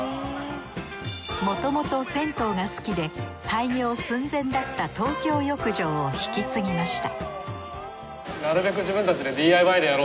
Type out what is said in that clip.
もともと銭湯が好きで廃業寸前だった東京浴場を引き継ぎました